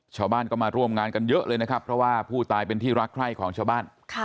ชาวบ้านก็มาร่วมงานกันเยอะเลยนะครับเพราะว่าผู้ตายเป็นที่รักใคร่ของชาวบ้าน